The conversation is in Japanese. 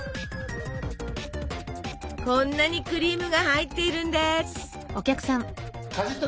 こんなにクリームが入っているんです！